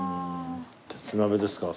鉄鍋ですか？